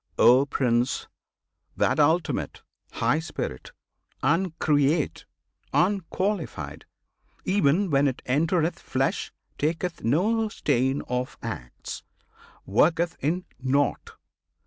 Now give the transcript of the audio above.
O Prince! That Ultimate, High Spirit, Uncreate, Unqualified, even when it entereth flesh Taketh no stain of acts, worketh in nought!